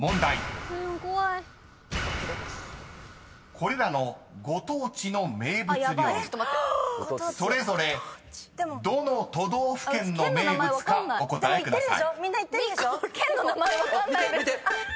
［これらのご当地の名物料理それぞれどの都道府県の名物かお答えください］